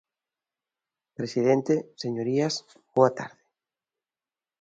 Presidente, señorías, boa tarde.